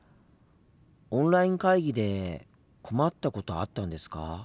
オンライン会議で困ったことあったんですか？